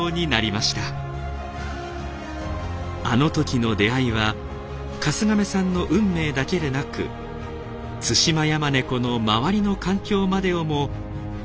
あの時の出会いは春日亀さんの運命だけでなくツシマヤマネコの周りの環境までをも大きく変化させていったのです。